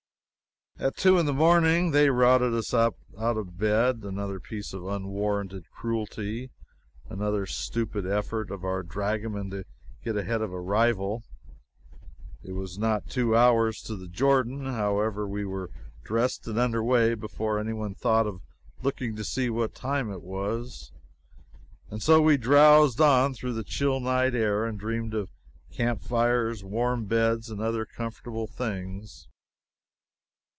At two in the morning they routed us out of bed another piece of unwarranted cruelty another stupid effort of our dragoman to get ahead of a rival. It was not two hours to the Jordan. However, we were dressed and under way before any one thought of looking to see what time it was, and so we drowsed on through the chill night air and dreamed of camp fires, warm beds, and other comfortable things.